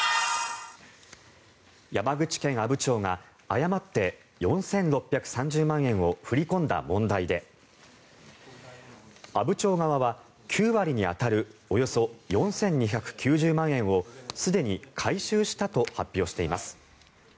山口県阿武町が誤って４６３０万円を振り込んだ問題で阿武町側は９割に当たるおよそ４２９０万円をすでに回収したと発表しています。